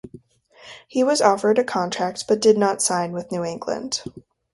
He was offered a contract but did not sign with New England.